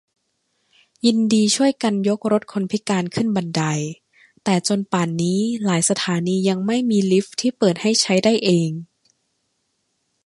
ยินดีช่วยกันยกรถเข็นคนพิการขึ้นบันได -แต่จนป่านนี้ หลายสถานียังไม่มีลิฟต์ที่เปิดให้ใช้ได้เอง